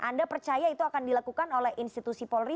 anda percaya itu akan dilakukan oleh institusi polri